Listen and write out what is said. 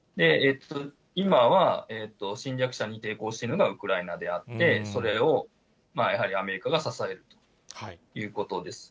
今は、侵略者に抵抗しているのがウクライナであって、それをやはりアメリカが支えるということです。